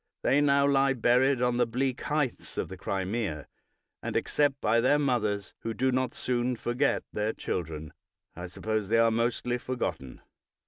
They now lie buried on the bleak heights of the Crimea, and except by their mothers, who do not soon forget their children, I suppose they are mostly forgotten.